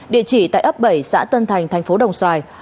địa chỉ tại ấp bảy xã tân thành thành phố đồng xoài